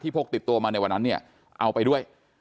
พกติดตัวมาในวันนั้นเนี่ยเอาไปด้วย